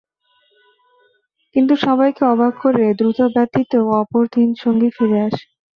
কিন্তু সবাইকে অবাক করে দূত ব্যতীত অপর তিন সঙ্গী ফিরে আসে।